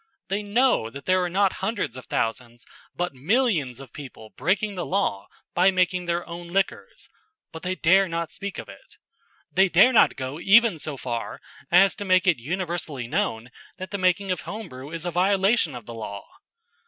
They know that there are not hundreds of thousands but millions of people breaking the law by making their own liquors, but they dare not speak of it. They dare not go even so far as to make it universally known that the making of home brew is a violation of the law.